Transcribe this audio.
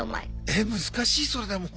え難しいそれでも。